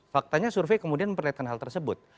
faktanya survei kemudian memperlihatkan hal tersebut